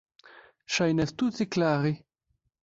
Ŝajnas tute klare.